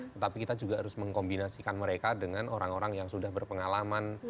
tetapi kita juga harus mengkombinasikan mereka dengan orang orang yang sudah berpengalaman